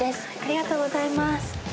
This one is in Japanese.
・ありがとうございます。